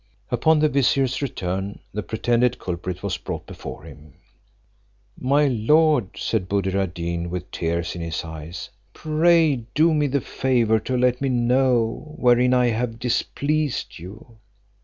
Upon the vizier's return, the pretended culprit was brought before him. "My lord," said Buddir ad Deen, with tears in his eyes, "pray do me the favour to let me know wherein I have displeased you."